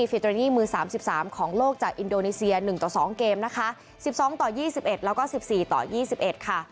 ฟิเตอร์นี่มือ๓๓ของโลกจากอินโดนีเซีย๑ต่อ๒เกมนะคะ๑๒ต่อ๒๑แล้วก็๑๔ต่อ๒๑ค่ะ